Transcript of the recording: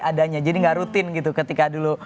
adanya jadi gak rutin gitu ketika dulu